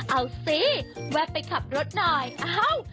เอาสิแวะไปขับรถหน่อยอ้าว